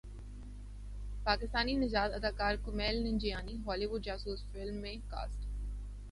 پاکستانی نژاد اداکار Kumail Nanjiani Hollywood جاسوسی فلم میں کاسٹ